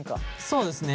そうですね。